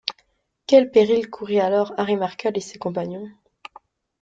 Quels périls courraient alors Harry Markel et ses compagnons?...